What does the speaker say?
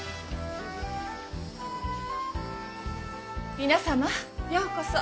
皆様ようこそ。